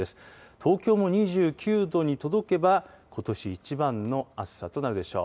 東京も２９度に届けば、ことし一番の暑さとなるでしょう。